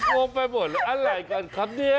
งงไปหมดเลยอะไรกันครับเนี่ย